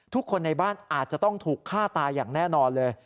ทุกคนในบ้านอาจจะต้องถูกฆ่าตายอย่างแน่นอนเลย